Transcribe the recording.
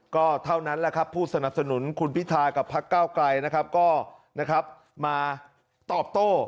ก็เท่านั้นแหละครับผู้สนับสนุนคุณพิทากับพักเก้าไกลนะครับก็มาตอบโต้